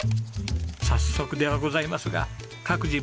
早速ではございますが各自